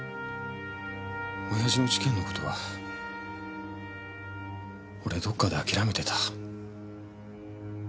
親父の事件の事は俺どっかで諦めてた。